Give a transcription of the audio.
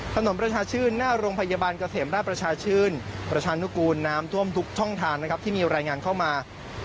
ถนนประชาชื่นหน้าโรงพยาบาลเกษมราชประชาชื่นประชานุกูลน้ำท่วมทุกช่องทางนะครับที่มีรายงานเข้ามา